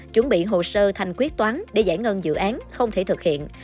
chuẩn bị hồ sơ thanh quyết toán để giải ngân dự án không thể thực hiện